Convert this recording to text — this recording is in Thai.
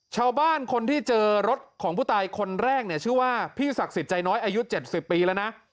ชาวบ้านคนที่เจอรถของผู้ตายคนแรกเนี่ยชื่อว่าพี่ศักดิ์สิทธิ์ใจน้อยอายุ๗๐ปีแล้วนะ